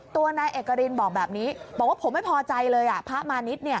ตัวนายเอกรินบอกแบบนี้บอกว่าผมไม่พอใจเลยพระมาณิชย์